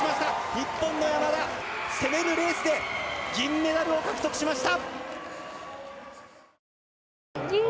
日本の山田、攻めるレースで銀メダルを獲得しました！